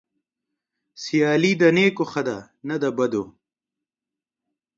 سيالي د نيکو ښه ده نه د بدو.